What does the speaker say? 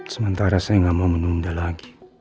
sementara saya nggak mau menunda lagi